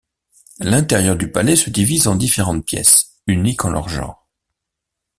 L’intérieur du palais se divise en différentes pièces, uniques en leur genre.